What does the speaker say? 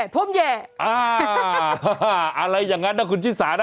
ผมแย่อะไรอย่างนั้นนะคุณชิสานะ